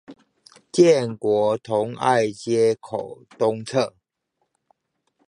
建國同愛街口東側